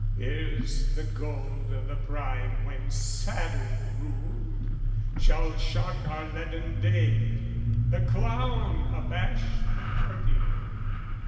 Here's the gold o' the prime When Saturn ruled, shall shock our leaden day The clown abash the courtier!